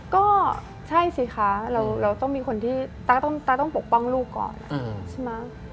ก็ใช่สิคะเราต้องมีคนที่ตาต้องปกป้องลูกก่อนใช่ไหม